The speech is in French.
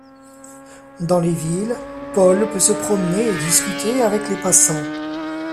Dans les villes, Paul peut se promener et discuter avec les passants.